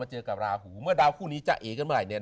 เจอกับราหูเมื่อดาวคู่นี้จะเอกันใหม่เนี่ย